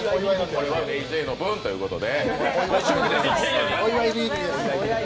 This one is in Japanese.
これはＭａｙＪ．の分ということで。